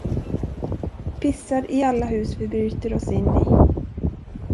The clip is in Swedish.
Pissar i alla hus vi bryter oss in i.